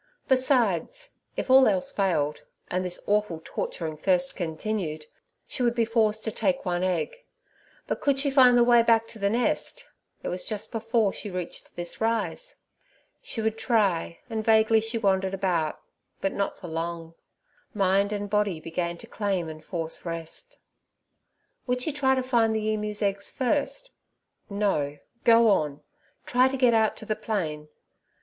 Besides, if all else failed, and this awful torturing thirst continued, she would be forced to take one egg; but could she find the way back to the nest? it was just before she reached this rise. She would try, and vaguely she wandered about, but not for long—mind and body began to claim and force rest. Would she try to find the emu's eggs first? No, go on; try to get out to the plain.